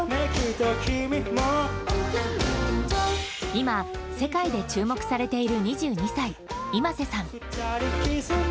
今、世界で注目されている２２歳、ｉｍａｓｅさん。